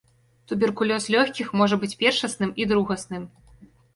Туберкулёз лёгкіх можа быць першасным і другасным.